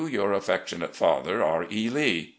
"Your affectionate father, "R. E. Lee.